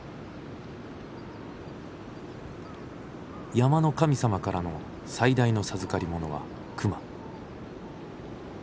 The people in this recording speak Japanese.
山の神様からの最大の授かりものは熊。